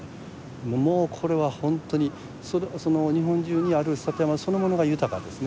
もうこれは本当に日本中にある里山そのものが豊かですね。